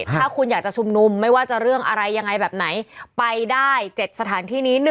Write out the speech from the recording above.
ถ้าคุณอยากจะชุมนุมไม่ว่าจะเรื่องอะไรยังไงแบบไหนไปได้๗สถานที่นี้